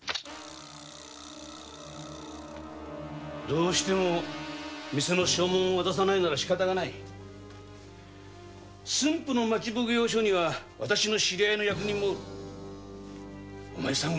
どうしても店の証文を渡さないならしかたない駿府の町奉行所には知人の役人もおる。